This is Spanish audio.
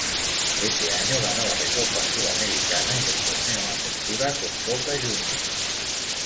Ese año ganó la Recopa Sudamericana y el Torneo Apertura con Boca Juniors.